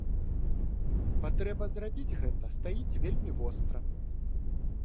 Патрэба зрабіць гэта стаіць вельмі востра.